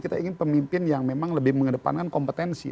kita ingin pemimpin yang memang lebih mengedepankan kompetensi